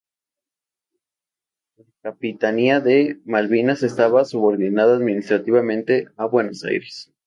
La Capitanía de Malvinas estaba subordinada administrativamente a Buenos Aires.